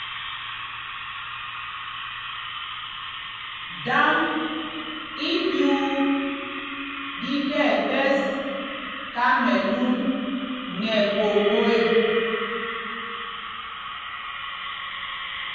Dǎŋ í ɗyuu ɗí tí ɛɓɛs Kamɛlún nɛ Koŋgo ê.